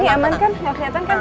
ini aman kan gak keliatan kan